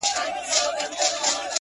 خپلي خبري خو نو نه پرې کوی!